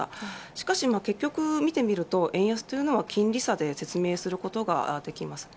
しかし、結局見てみるとを円安というのは、金利差で説明することができます。